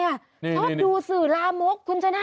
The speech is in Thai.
ชอบดูสื่อลามกคุณชนะ